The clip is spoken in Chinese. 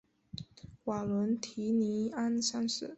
瓦伦提尼安三世。